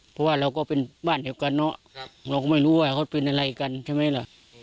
เพราะว่าเราก็เป็นบ้านเดียวกันเนาะเราก็ไม่รู้ว่าเขาเป็นอะไรกันใช่ไหมล่ะ